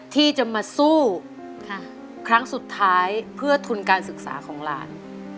ที่จะมาสู้ครั้งสุดท้ายเพื่อทุนการศึกษาของหลาน